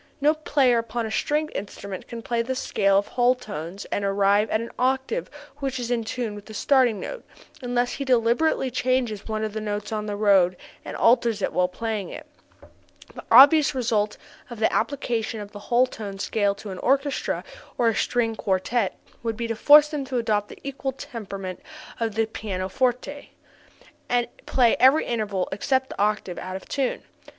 No player upon a stringed instrument can play the scale of whole tones and arrive at an octave which is in tune with the starting note, unless he deliberately changes one of the notes on the road and alters it while playing it. The obvious result of the application of the whole tone scale to an orchestra or a string quartet would be to force them to adopt the equal temperament of the pianoforte, and play every interval except the octave out of tune.